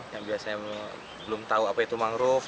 yang biasanya belum tahu apa itu mangrove